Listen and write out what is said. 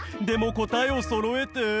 でも答えをそろえて。